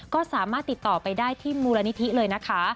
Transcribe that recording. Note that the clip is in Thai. ก็สามารถติดต่อไปได้ที่มูลนิธิเลยนะคะ